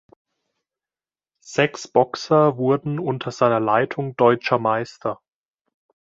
Sechs Boxer wurden unter seiner Leitung deutscher Meister.